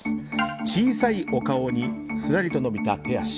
小さいお顔にすらりと伸びた手足。